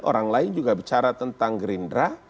orang lain juga bicara tentang gerindra